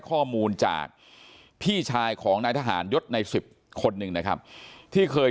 ข้อมูลจากพี่ชายของนายทหารยศใน๑๐คนหนึ่งนะครับที่เคย